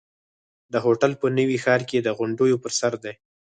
دا هوټل په نوي ښار کې د غونډیو پر سر دی.